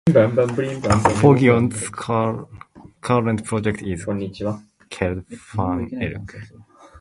Forgione's current project is called Van Elk.